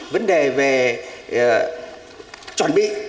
vấn đề về chuẩn bị